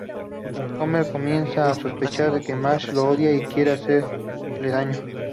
Homer comienza a sospechar de que Marge lo odia y quiere hacerle daño.